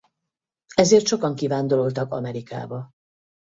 Ezért sokan kivándoroltak Amerikába.